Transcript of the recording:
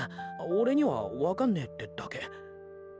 俺にはわかんねぇってだけ。